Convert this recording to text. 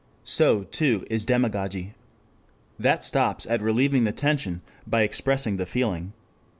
So, too, is demagogy. That stops at relieving the tension by expressing the feeling.